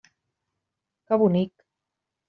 Que bonic!